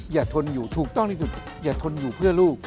ทนอยู่ถูกต้องที่สุดอย่าทนอยู่เพื่อลูก